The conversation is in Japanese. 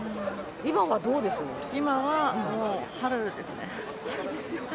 今はもう春ですね。